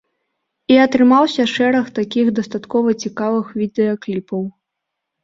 І атрымаўся шэраг такіх дастаткова цікавых відэакліпаў.